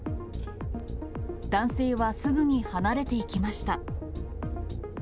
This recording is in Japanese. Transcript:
男性はすぐに離れていきました。